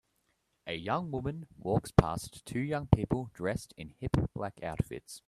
A young woman walks past two young people dressed in hip black outfits.